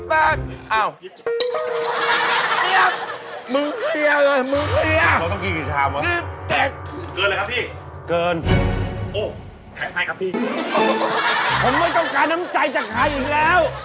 ผมไม่ต้องการน้ำใจจากใครอีกแล้ว